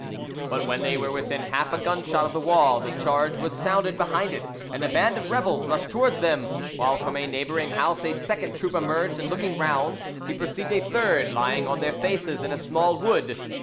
But when they were within half a gun shot of the wall the charge was sounded behind it, and a band of rebels rushed towards them, while from a neighbouring house a second troop emerged, and looking round, he perceived a third lying on their faces in a small wood.